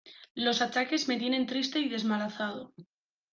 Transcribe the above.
Los achaques me tienen triste y desmazalado.